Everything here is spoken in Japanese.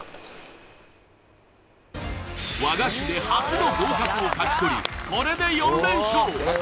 和菓子で初の合格を勝ち取りこれで４連勝！